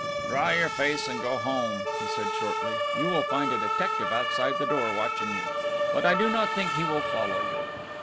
"Dry your face and go home," he said shortly, "you will find a detective outside the door watching you, but I do not think he will follow you."